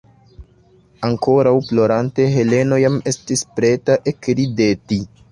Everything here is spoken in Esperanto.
Ankoraŭ plorante, Heleno jam estis preta ekrideti.